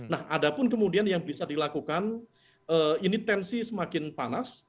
nah ada pun kemudian yang bisa dilakukan ini tensi semakin panas